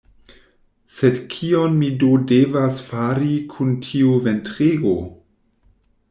Sed kion mi do devas fari kun tiu ventrego?